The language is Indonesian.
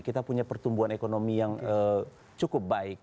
kita punya pertumbuhan ekonomi yang cukup baik